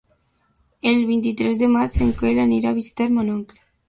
El vint-i-tres de maig en Quel anirà a visitar mon oncle.